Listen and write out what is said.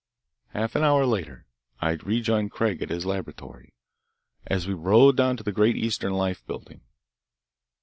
Half an hour later I rejoined Craig at his laboratory, and we rode down to the Great Eastern Life Building.